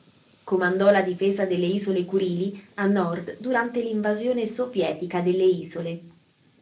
Comandò la difesa delle isole Curili a nord durante l'invasione sovietica delle isole.